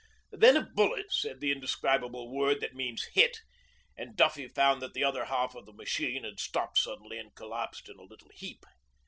Then a bullet said the indescribable word that means 'hit' and Duffy found that the other half of the machine had stopped suddenly and collapsed in a little heap.